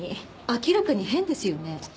明らかに変ですよね。